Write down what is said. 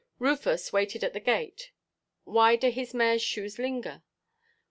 Rosa waited at the gate; why do his mareʼs shoes linger?